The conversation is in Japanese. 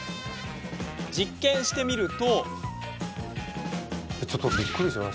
実験してみると。